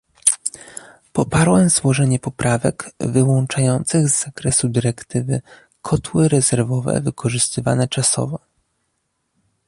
Poparłem złożenie poprawek wyłączających z zakresu dyrektywy kotły rezerwowe wykorzystywane czasowo